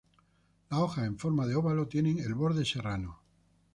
Las hojas en forma de óvalo tiene el borde serrado.